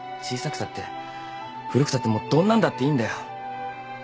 小さくたって古くたってもうどんなんだっていいんだよ。